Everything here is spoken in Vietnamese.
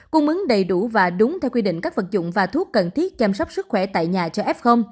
cung ứng đầy đủ và đúng theo quy định các vật dụng và thuốc cần thiết chăm sóc sức khỏe tại nhà cho f